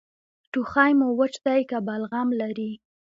ټوخی مو وچ دی که بلغم لري؟